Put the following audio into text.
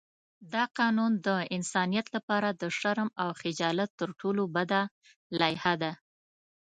دا قانون د انسانیت لپاره د شرم او خجالت تر ټولو بده لایحه ده.